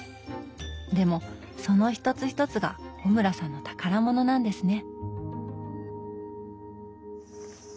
でもその一つ一つが穂村さんの宝物なんですね。